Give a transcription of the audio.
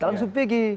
dalam supi lagi